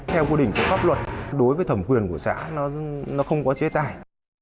theo quy định của pháp luật đối với thẩm quyền của xã nó không có chế tài